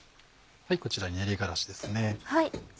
こちらに練り辛子ですね。